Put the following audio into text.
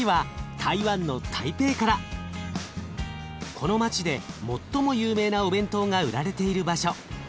この街で最も有名なお弁当が売られている場所。